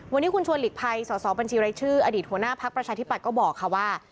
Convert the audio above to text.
วันนี้คุณชวนหลีกภัยสอสอบัญชีรายชื่ออดีตหัวหน้าพักประชาธิบัตย์ก็บอกค่ะว่า